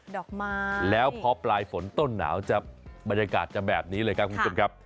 ดอกไม้แล้วพอปลายฝนต้นหนาวจะบรรยากาศจะแบบนี้เลยครับคุณผู้ชมครับ